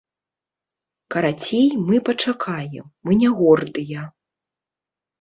Карацей, мы пачакаем, мы не гордыя.